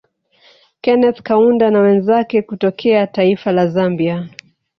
Keneth Kaunda na wenzake kutokea taifa La Zambia